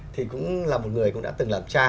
thì cũng là một người cũng đã từng làm cha